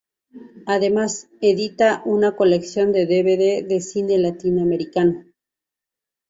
Además, edita una colección de dvd de cine latinoamericano.